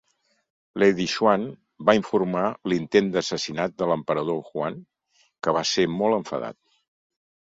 Lady Xuan va informar l'intent d'assassinat de l'Emperador Huan, que va ser molt enfadat.